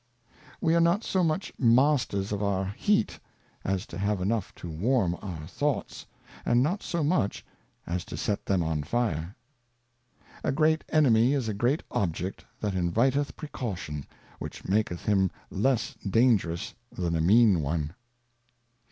We are not so much Masters of our Heat as to have enough to warm our Thoughts, and not so much as to set them on fire. A great Enemy is a great Object that inviteth Precaution, which maketh him less dangerous than a mean one.